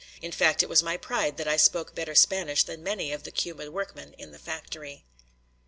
In fact, it was my pride that I spoke better Spanish than many of the Cuban workmen at the factory.